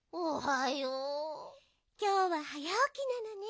きょうははやおきなのね。